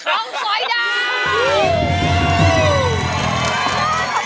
โอ๊ย